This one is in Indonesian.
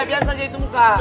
biar saja itu muka